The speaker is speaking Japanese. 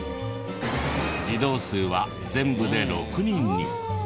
児童数は全部で６人に。